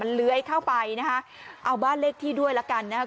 เลื้อยเข้าไปนะฮะเอาบ้านเลขที่ด้วยละกันนะครับ